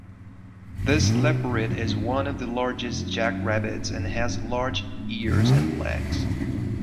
This leporid is one of the largest jackrabbits and has large ears and legs.